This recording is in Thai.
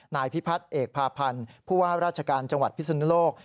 นายพิพัฒน์เอกพาพันธ์ผู้ว่าราชการจังหวัดพิศนุโลก